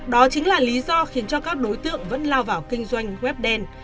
đó chính là lý do khiến cho các đối tượng vẫn lao vào kinh doanh web đen